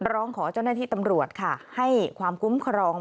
ร้องขอเจ้าหน้าที่ตำรวจค่ะให้ความคุ้มครอง